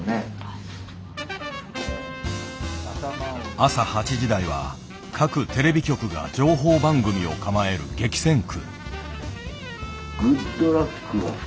朝８時台は各テレビ局が情報番組を構える激戦区。